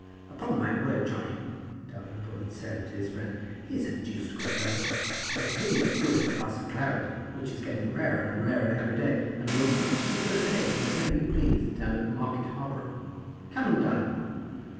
"Upon my word, Johnny," Dalrymple had said to his friend, "he's a deuced good fellow, has really a good glass of claret, which is getting rarer and rarer every day, and will mount you for a day, whenever you please, down at Market Harboro'. Come and dine with them."